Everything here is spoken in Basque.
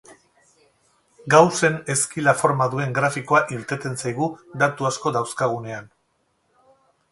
Gaussen ezkila forma duen grafikoa irteten zaigu datu asko dauzkagunean.